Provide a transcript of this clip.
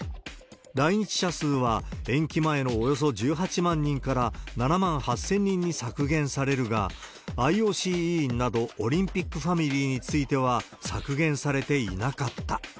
来日者数は延期前のおよそ１８万人から７万８０００人に削減されるが、ＩＯＣ委員などオリンピックファミリーについては削減されていなかった。